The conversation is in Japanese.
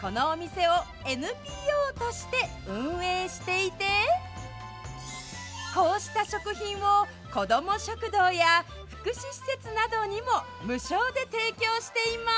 このお店をＮＰＯとして運営していてこうした食品を子ども食堂や福祉施設などにも無償で提供しています。